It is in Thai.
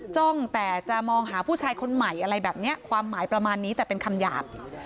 จ้องแต่จะมองหาผู้ชายคนใหม่อะไรแบบนี้ความหมายประมาณนี้แต่เป็นคำหยาบ